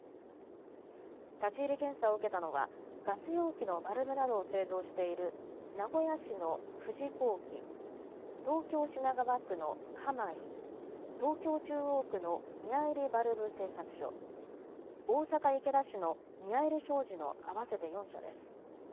立ち入り検査を受けたのはガス容器のバルブなどを製造している名古屋市の富士工器、東京品川区のハマイ、東京中央区の宮入バルブ製作所、大阪池田市の宮入商事の合わせて４社です。